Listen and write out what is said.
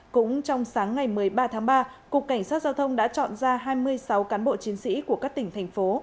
cũng trong sáng ngày một mươi ba tháng ba cục cảnh sát giao thông đã chọn ra hai mươi sáu cán bộ chiến sĩ của các tỉnh thành phố